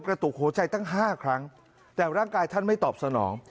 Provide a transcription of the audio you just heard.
กระตุกหัวใจตั้ง๕ครั้งแต่ร่างกายท่านไม่ตอบสนอง